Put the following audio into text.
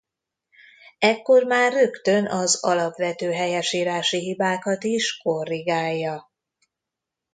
Ekkor már rögtön az alapvető helyesírási hibákat is korrigálja.